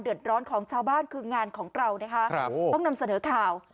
เดือดร้อนของชาวบ้านคืองานของเราคุณผู้ชมต้องนำเสนอข่าว